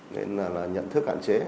nên là nhận thức hạn chế